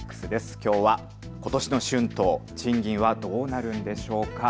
きょうはことしの春闘、賃金はどうなるのでしょうか。